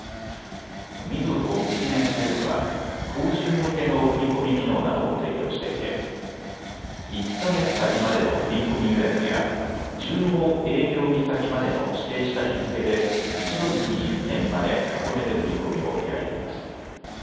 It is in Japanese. みずほビジネスＷＥＢは法人向けの振り込み機能などを提供していて１か月先までの振り込み予約や１５営業日先までの指定した日付で一度に２０件までまとめて振り込みを依頼できます。